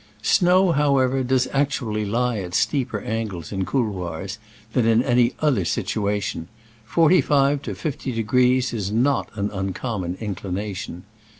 Snow, however, does actu ally lie at steeper angles in couloi:^ than in any other situation : forty five to fifty degrees is not an un common inclination.